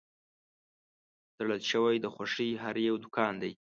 تړل شوی د خوښۍ هر یو دوکان دی